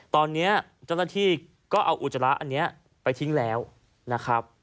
ตอนนี้เจ้าหน้าที่ก็เอาอุจจาระอันนี้ไปทิ้งแล้วนะครับ